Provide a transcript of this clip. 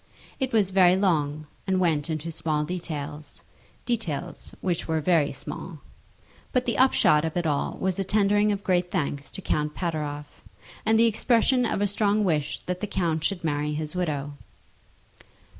It was very long, and went into small details, details which were very small; but the upshot of it all was a tendering of great thanks to Count Pateroff, and the expression of a strong wish that the count should marry his widow.